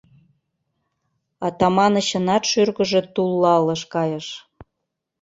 Атаманычынат шӱргыжӧ тулла ылыж кайыш.